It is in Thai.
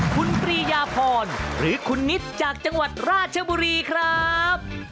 คุณปรียาพรหรือคุณนิดจากจังหวัดราชบุรีครับ